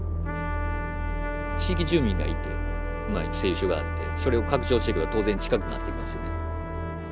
地域住民がいて製油所があってそれを拡張していくと当然近くなっていきますよね。